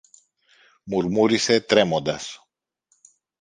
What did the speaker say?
μουρμούρισε τρέμοντας.